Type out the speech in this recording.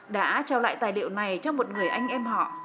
đã trao lại tài liệu này cho một người anh em họ